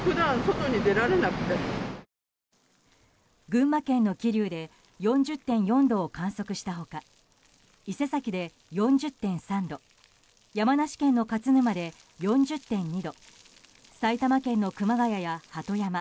群馬県の桐生で４０．４度を観測した他伊勢崎で４０．３度山梨県の勝沼で４０．２度埼玉県の熊谷や鳩山